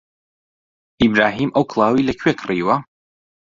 ئیبراهیم ئەو کڵاوەی لەکوێ کڕیوە؟